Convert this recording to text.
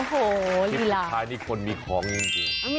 โอ้โหลีราคลิปท้ายนี้ควรมีของจริง